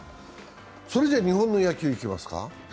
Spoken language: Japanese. それでは日本の野球にいきますか。